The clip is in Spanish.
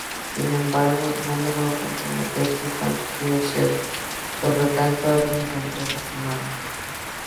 Sin embargo no logra comprometerse con sus deseos, por lo tanto alguien saldrá lastimado.